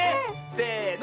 せの。